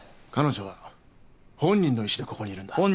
彼女は本人の意思でここにいるんだ。